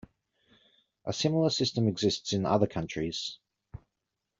A similar system exists in other countries.